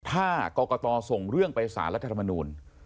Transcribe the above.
ถ้ากรกตส่งเรื่องไปสารรัฐธรรมนูล